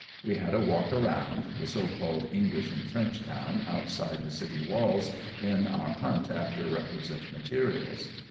We had a walk round the so called English and French town outside the city walls, in our hunt after requisite materials.